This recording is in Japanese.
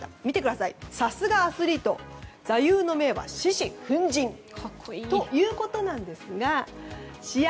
さすがアスリート座右の銘は獅子奮迅ということなんですが試合